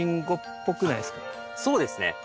そうですね。